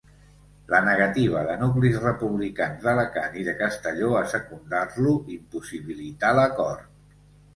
La negativa de nuclis republicans d'Alacant i de Castelló a secundar-lo impossibilità l'acord.